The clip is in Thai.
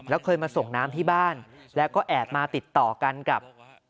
แล้วเคยมาส่งน้ำที่บ้านแล้วก็แอบมาติดต่อกันกับ